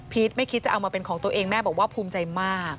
ไม่คิดจะเอามาเป็นของตัวเองแม่บอกว่าภูมิใจมาก